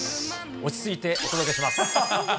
落ち着いてお届けします。